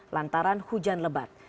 lantaran hujan lebat